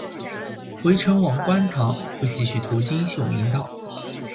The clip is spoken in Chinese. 回程往观塘会继续途经秀明道。